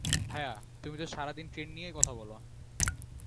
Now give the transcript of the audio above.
ভায়া, তুমি তো সারাদিন ট্রেন নিয়েই কথা বলো।